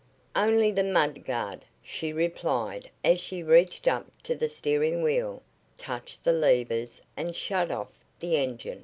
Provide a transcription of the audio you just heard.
"Only the mud guard," she replied as she reached up to the steering wheel, touched the levers and shut off the engine.